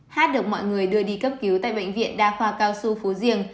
hát được mọi người đưa đi cấp cứu tại bệnh viện đa khoa cao xu phú diềng